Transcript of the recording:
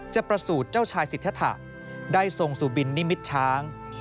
ประสูจน์เจ้าชายสิทธะได้ทรงสู่บินนิมิตรช้าง